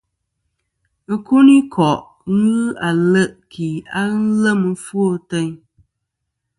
Ikuniko'i ghɨ ale' ki a ghɨ lem ɨfwo ateyn.